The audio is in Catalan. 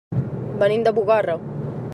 Venim de Bugarra.